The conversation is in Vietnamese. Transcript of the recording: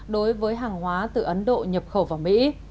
đối với hàng hóa từ ấn độ nhập khẩu vào mỹ